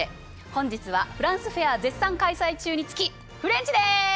本日はフランスフェア絶賛開催中につきフレンチです！